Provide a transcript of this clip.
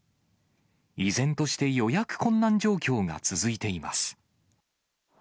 依然として予約困難状況が続いています。